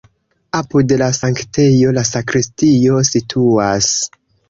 Apud la sanktejo la sakristio situas.